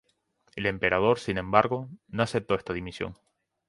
El emperador, sin embargo, no aceptó esta dimisión.